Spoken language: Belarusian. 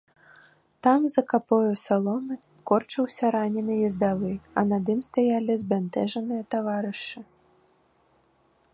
Там за капою саломы корчыўся ранены ездавы, а над ім стаялі збянтэжаныя таварышы.